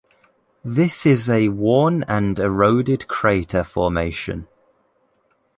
This is a worn and eroded crater formation.